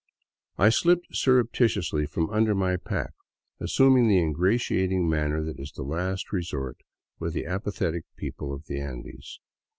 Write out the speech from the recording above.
I slipped surreptitiously from under my pack, assuming the ingratiating manner that is the last resort with the apathetic people of the Andes.